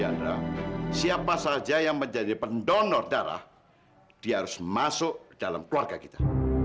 adalah siapa saja yang menjadi pendonor darah dia harus masuk dalam keluarga kita